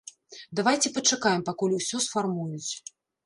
Давайце пачакаем, пакуль усё сфармуюць.